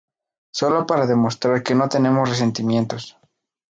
Solo para demostrar que no tenemos resentimientos.